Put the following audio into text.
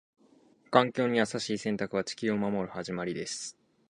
環境に優しい選択は、地球を守る始まりです。